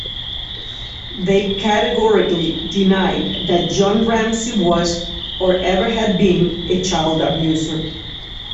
They categorically denied that John Ramsey was, or ever had been, a child abuser.